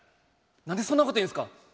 何でそんなこと言うんですか？